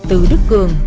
từ đức cường